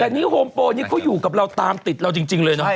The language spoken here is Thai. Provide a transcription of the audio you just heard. แต่นี่โฮมโปนี่เขาอยู่กับเราตามติดเราจริงเลยเนาะ